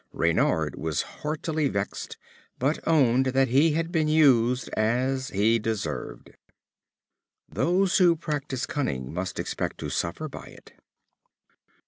Reynard was heartily vexed, but owned that he had been used as he deserved. Those who practice cunning must expect to suffer by it.